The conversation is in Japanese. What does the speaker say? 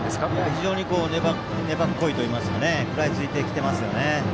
非常に粘っこいといいますか食らいついてきてますよね。